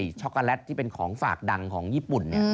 ซื้อช็อกโกแลตที่เป็นของฝากดังของญี่ปุ่นเนี่ย